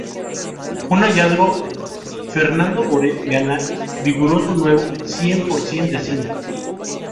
Un hallazgo: Fernando Borel, galán vigoroso nuevo, cien por cien de cine.